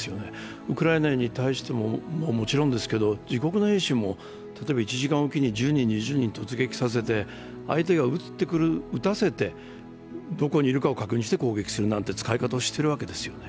ウクライナに対してももちろんですけど自国の兵士も、例えば１時間おきに１０人、２０人と突撃させて相手に撃たせてどこにいるか確認して攻撃するなんて使い方をしているわけです。